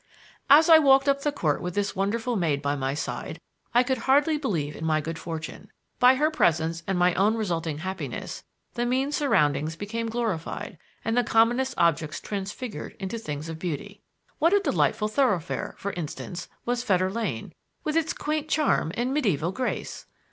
As I walked up the court with this wonderful maid by my side I could hardly believe in my good fortune. By her presence and my own resulting happiness the mean surroundings became glorified and the commonest objects transfigured into things of beauty. What a delightful thoroughfare, for instance, was Fetter Lane, with its quaint charm and medieval grace!